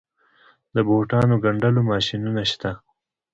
د بوټانو ګنډلو ماشینونه شته